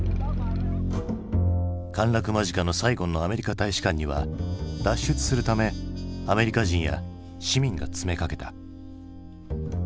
陥落間近のサイゴンのアメリカ大使館には脱出するためアメリカ人や市民が詰めかけた。